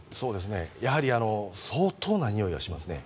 やはり相当なにおいがしますね。